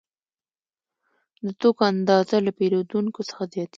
د توکو اندازه له پیرودونکو څخه زیاتېږي